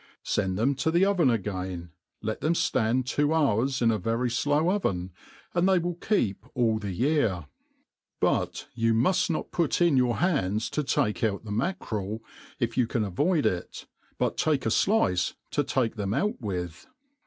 Send them to the oven again, let them ftand two hours in a very flow oven, and they will keep all the year; but you muflnotput jn your hands to take out the mackerel, if you caii avoid it, but take a flice to take them out with.